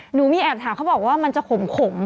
หนูมีแอบถามเขาบอกว่ามันจะขมฝาดครรับ